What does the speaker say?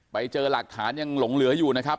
ไปเจอหลักฐานยังหลงเหลืออยู่นะครับ